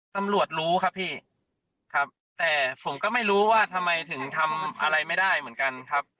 ตำรวจรู้ครับพี่ครับแต่ผมก็ไม่รู้ว่าทำไมถึงทำอะไรไม่ได้เหมือนกันครับ